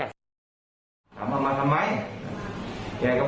ก็ตามคุณลุงไว้อย่างไรบ้างครับ